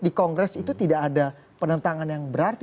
di kongres itu tidak ada penentangan yang berarti